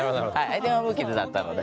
相手も無傷だったので。